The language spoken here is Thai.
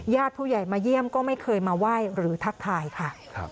ผู้ใหญ่มาเยี่ยมก็ไม่เคยมาไหว้หรือทักทายค่ะ